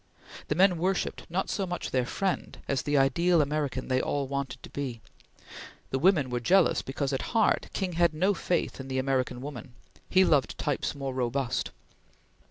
The men worshipped not so much their friend, as the ideal American they all wanted to be. The women were jealous because, at heart, King had no faith in the American woman; he loved types more robust.